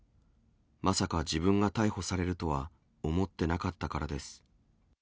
まさか自分が逮捕されるとは思ってなかったからです。